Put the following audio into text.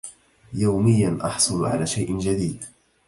يوميا احصلُ على شيء جديد